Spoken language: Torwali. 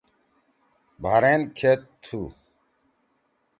بحرین کھید تُھو؟